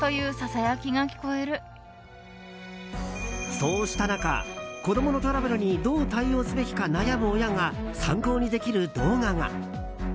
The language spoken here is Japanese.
そうした中、子供のトラブルにどう対応すべきか悩む親が参考にできる動画が。